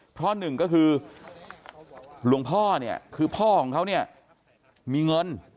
เพราะหนึ่งก็คือหลวงพ่อเนี่ยคือพ่อของเขาเนี่ยมีเงิน